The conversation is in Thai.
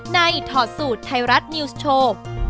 ถอดสูตรไทยรัฐนิวส์โชว์